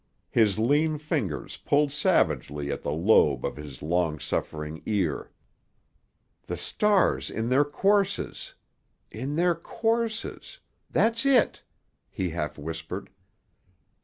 His lean fingers pulled savagely at the lobe of his long suffering ear. "The stars in their courses—in their courses—That's it!" he half whispered.